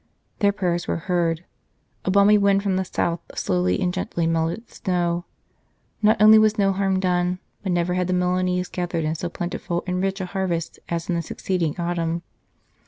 Their prayers were heard : a balmy wind from the south slowly and gently melted the snow ; not only was no harm done, but never had the Milanese gathered in so plentiful and rich a harvest as in the succeeding autumn.